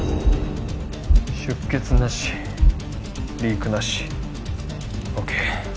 出血なしリークなしＯＫ